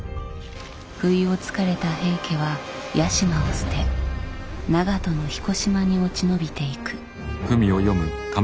不意をつかれた平家は屋島を捨て長門の彦島に落ち延びていく。